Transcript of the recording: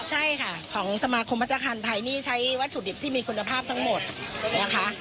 ใช่ค่ะของสมาคมพัฒนาคารไทยนี่ใช้วัตถุดิบที่มีคุณภาพทั้งหมดนะคะ